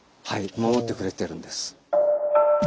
はい守ってくれてるんです。